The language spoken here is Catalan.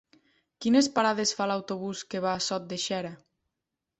Quines parades fa l'autobús que va a Sot de Xera?